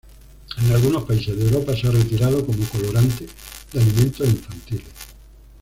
En algunos países de Europa se ha retirado como colorante de alimentos infantiles.